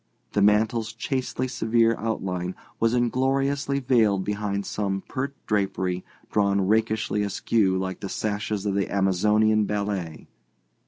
The mantel's chastely severe outline was ingloriously veiled behind some pert drapery drawn rakishly askew like the sashes of the Amazonian ballet.